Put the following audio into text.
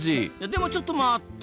でもちょっと待った！